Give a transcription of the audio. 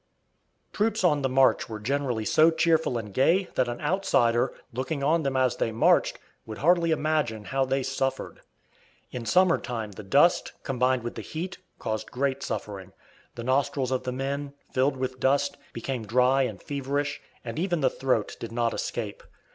Troops on the march were generally so cheerful and gay that an outsider, looking on them as they marched, would hardly imagine how they suffered. In summer time, the dust, combined with the heat, caused great suffering. The nostrils of the men, filled with dust, became dry and feverish, and even the throat did not escape.